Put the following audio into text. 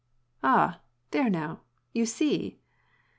" Ah, there now, you see